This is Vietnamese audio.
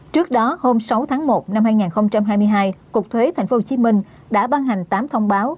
trước đó hôm sáu tháng một năm hai nghìn hai mươi hai cục thuế tp hcm đã ban hành tám thông báo